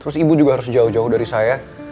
terus ibu juga harus jauh jauh dari saya